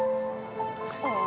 semoga udah rather